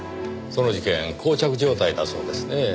その事件こう着状態だそうですねぇ。